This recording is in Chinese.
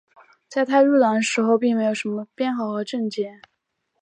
在他入党的时候并没有什么编号和证件。